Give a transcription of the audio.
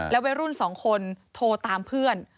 แล้ววัยรุ่นสองคนโทรตามเพื่อน